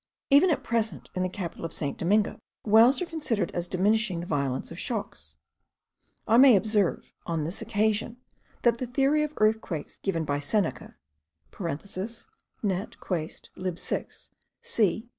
Even at present, in the capital of St. Domingo, wells are considered as diminishing the violence of the shocks. I may observe on this occasion, that the theory of earthquakes, given by Seneca, (Nat. Quaest.